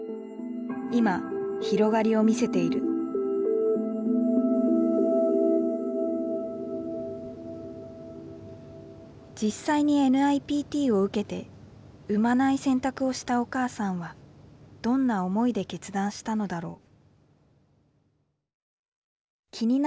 今広がりを見せている実際にＮＩＰＴを受けて生まない選択をしたお母さんはどんな思いで決断したのだろう。